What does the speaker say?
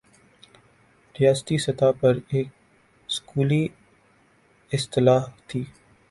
ریاستی سطح پر ایک سکولی اصطلاح تھِی